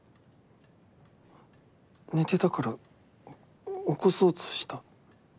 寝てたから起こそうとした？